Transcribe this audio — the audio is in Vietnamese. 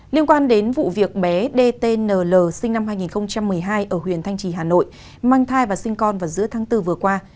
liên quan đến vụ việc bé dtn l sinh năm hai nghìn một mươi hai ở huyện thanh trì hà nội mang thai và sinh con vào giữa tháng bốn vừa qua